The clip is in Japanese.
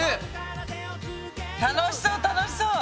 楽しそう楽しそう。